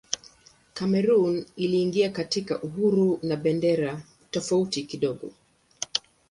Kamerun iliingia katika uhuru na bendera tofauti kidogo.